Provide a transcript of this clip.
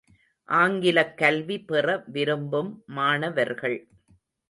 ஆங்கிலக் கல்வி பெற விரும்பும் மாணவர்கள்.